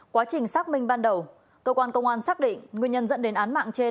quá trình xác minh ban đầu cơ quan công an xác định nguyên nhân dẫn đến án mạng trên